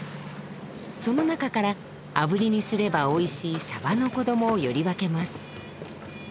その中からあぶりにすればおいしいサバの子供をより分けます。